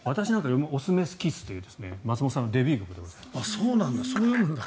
「♂×♀×Ｋｉｓｓ」という松本さんのデビュー曲でございます。